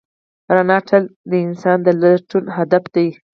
رڼا تل د انسان د لټون هدف دی.